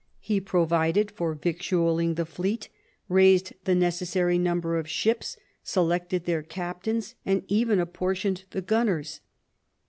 He provided for victualling the fleet, raised the necessary number of ships, selected their captains, and even apportioned the gunners.